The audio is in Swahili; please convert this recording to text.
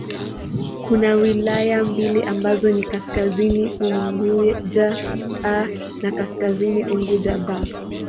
Kuna wilaya mbili ambazo ni Kaskazini Unguja 'A' na Kaskazini Unguja 'B'.